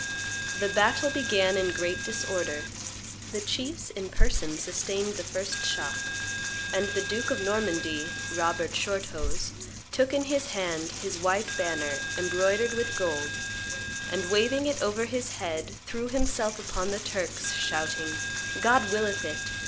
The battle began in great disorder; the chiefs in person sustained the first shock; and the duke of Normandy, Robert Shorthose, took in his hand his white banner, embroidered with gold, and waving it over his head, threw himself upon the Turks, shouting, "God willeth it!